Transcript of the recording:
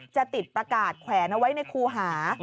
จะติดประกาศแขวนเอาไว้ในครูหา